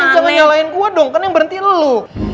jangan nyalain kuat dong kan yang berhenti lo